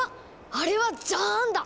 あれはジャーンだ！